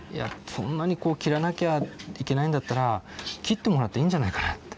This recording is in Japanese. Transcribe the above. そんなにこう切らなきゃいけないんだったら切ってもらっていいんじゃないかなって。